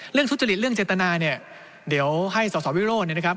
ทุจริตเรื่องเจตนาเนี่ยเดี๋ยวให้สสวิโรธเนี่ยนะครับ